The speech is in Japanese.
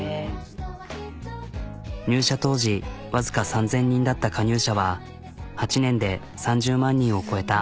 入社当時わずか３、０００人だった加入者は８年で３０万人を超えた。